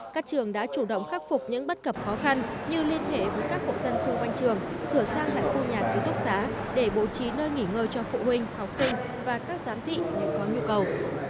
các trường đã chủ động khắc phục những bất cập khó khăn như liên hệ với các hộ dân xung quanh trường sửa sang lại khu nhà ký túc xá để bố trí nơi nghỉ ngơi cho phụ huynh học sinh và các giám thị nếu có nhu cầu